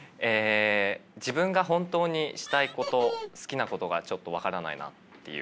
自分が本当にしたいこと好きなことがちょっと分からないなっていう。